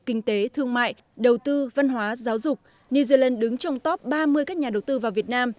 kinh tế thương mại đầu tư văn hóa giáo dục new zealand đứng trong top ba mươi các nhà đầu tư vào việt nam